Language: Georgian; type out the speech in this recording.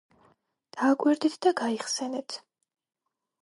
დააკვირდით და გაიხსენეთ